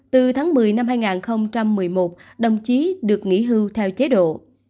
từ tháng một mươi năm hai nghìn một mươi một đồng chí được nghỉ hưu theo chế độ